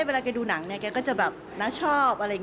เวลาครับดูหนังน้าชอบ